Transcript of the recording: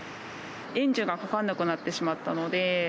エンジンがかからなくなってしまったので。